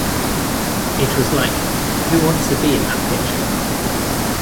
It was like, 'Who wants to be in that picture?